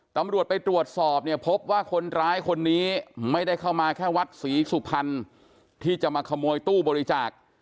ตำรวจไปตรวจสอบเนี่ยพบว่าคนร้ายคนนี้ไม่ได้เข้ามาแค่วัดศรีสุพรรณที่จะมาขโมยตู้บริจาค